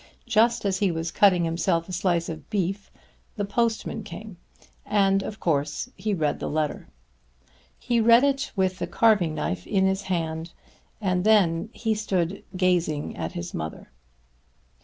Just as he was cutting himself a slice of beef the postman came, and of course he read his letter. He read it with the carving knife in his hand, and then he stood gazing at his mother.